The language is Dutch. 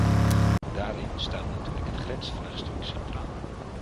Daarin staat natuurlijk het grensvraagstuk centraal.